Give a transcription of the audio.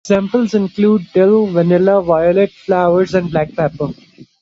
Examples include dill, vanilla, violet flowers, and black pepper.